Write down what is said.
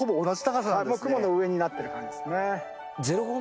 雲の上になってる感じですね。